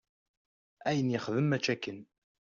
Ayen yexdem mačči akken.